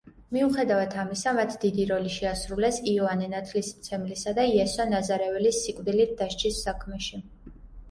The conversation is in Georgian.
მიუხედავად ამისა, მათ დიდი როლი შეასრულეს იოანე ნათლისმცემლისა და იესო ნაზარეველის სიკვდილით დასჯის საქმეში.